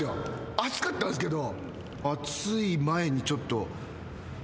熱かったんすけど。